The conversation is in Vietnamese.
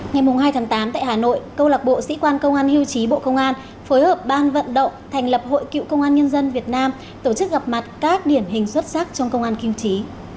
ngày hai tháng tám tại hà nội câu lạc bộ sĩ quan công an hiêu chí bộ công an phối hợp ban vận động thành lập hội cựu công an nhân dân việt nam tổ chức gặp mặt các điển hình xuất sắc trong công an kim chí